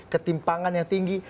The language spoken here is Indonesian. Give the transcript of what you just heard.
ketimpangan yang tinggi